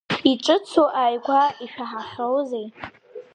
Иҿыцу ааигәа ишәаҳахьоузеи?